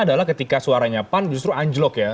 adalah ketika suaranya pan justru anjlok ya